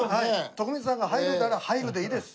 徳光さんが入るなら入るでいいです。